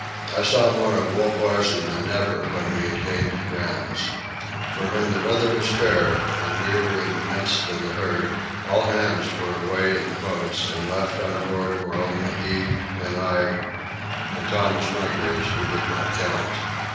I saw more of Wolf Larsen than ever when we had gained the grounds. For when the weather was fair and we were in the midst of the herd, all hands were away in the boats, and left on board were only he and I, and Thomas Mugridge, who did not count.